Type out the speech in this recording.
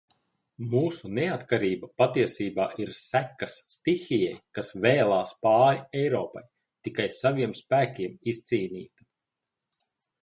Mūsu neatkarība patiesībā ir sekas stihijai, kas vēlās pāri Eiropai. Tikai saviem spēkiem izcīnīta?